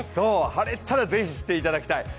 晴れたら是非していただきたい。